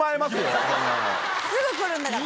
すぐ来るんだから。